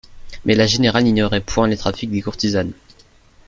Mais, la générale n'ignorait point les trafics des courtisanes.